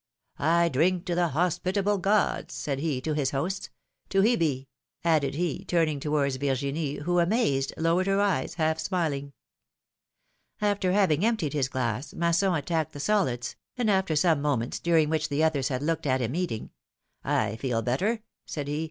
I drink to the hospitable gods," said he to his hosts ; ^^to Hebe!" added he, turning towards Virginie, who, amazed, lowered her eyes, half smiling. After having emptied his glass, Masson attacked the solids, and, after some moments, during which the others had looked at him eating : PHILOMilNE's MAREIAGES. 123 I feel better/^ said he.